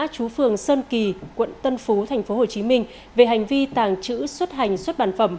chú phường sơn kỳ quận tân phú tp hcm về hành vi tàng trữ xuất hành xuất bản phẩm